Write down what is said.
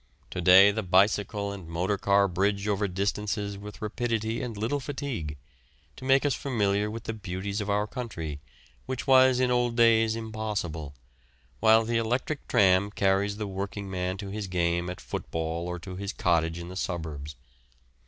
To day the bicycle and the motor car bridge over distances with rapidity and little fatigue, and make us familiar with the beauties of our country, which was in old days impossible, while the electric tram carries the working man to his game at football or to his cottage in the suburbs.